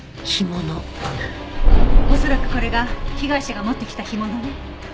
恐らくこれが被害者が持ってきた干物ね。